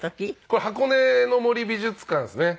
これ箱根の森美術館ですね。